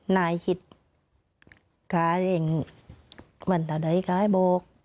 นายคิดขาเรียงวันเท่าไหร่ขาให้บอก